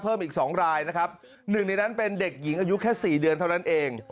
เพิ่มอีก๒รายนะครับหนึ่งในนั้นเป็นเด็กหญิงอายุแค่สี่เดือนเท่านั้นเอง